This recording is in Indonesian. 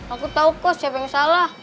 aku tahu kok siapa yang salah